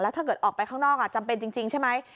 ถ้าเกิดออกไปข้างนอกจำเป็นจริงใช่ไหม